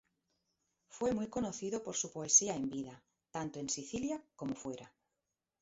Fue muy conocido por su poesía en vida, tanto en Sicilia como fuera.